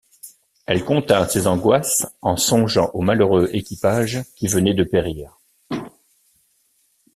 Elle contint ses angoisses en songeant au malheureux équipage qui venait de périr.